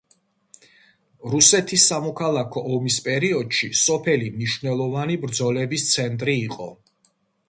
რუსეთის სამოქალაქო ომის პერიოდში სოფელი მნიშვნელოვანი ბრძოლების ცენტრი იყო.